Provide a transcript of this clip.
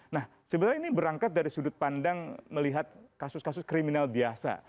nah sebenarnya ini berangkat dari sudut pandang melihat kasus kasus kriminal biasa